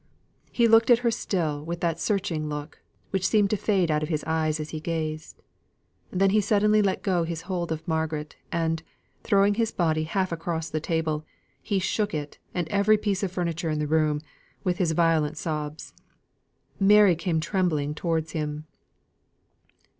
He looked at her still with that searching look, which seemed to fade out of his eyes as he gazed. Then he suddenly let go his hold of Margaret, and, throwing his body half across the table, he shook it and every piece of furniture in the room, with his violent sobs. Mary came trembling towards him.